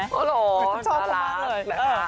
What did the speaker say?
เหมือนจะชอบเขามากเลย